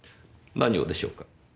何をでしょうか？